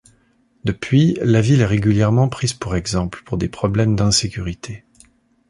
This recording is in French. Depuis, la ville est régulièrement prise pour exemple pour des problèmes d'insécurité.